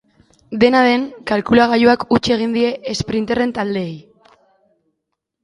Dena den, kalkulagailuak huts egin die esprinterren taldeei.